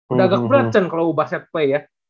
udah agak berat cuman kalo ubah set play ya